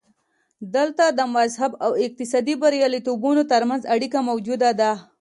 دلته د مذهب او اقتصادي بریالیتوبونو ترمنځ اړیکه موجوده ده.